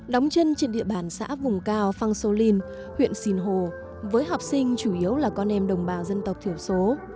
đóng chân trên địa bàn xã vùng cao phang solin huyện sìn hồ với học sinh chủ yếu là con em đồng bào dân tộc thiểu số